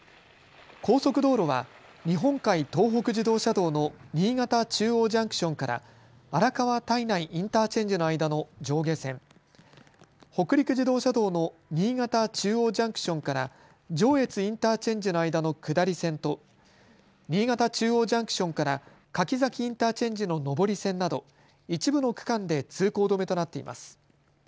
高速道路は日本海東北自動車道の新潟中央ジャンクションから荒川胎内インターチェンジの間の上下線、北陸自動車道の新潟中央ジャンクションから上越インターチェンジの間の下り線と新潟中央ジャンクションから柿崎インターチェンジの上り線など一部の区間で通行止めとなっています。